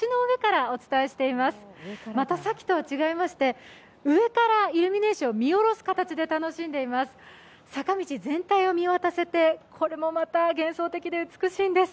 またさっきとは違いまして、上からイルミネーションを見下ろす形で見ています。